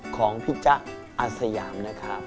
ของพี่จ๊ะอาสยามนะครับ